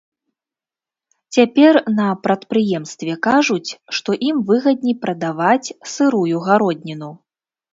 Цяпер на прадпрыемстве кажуць, што ім выгадней прадаваць сырую гародніну.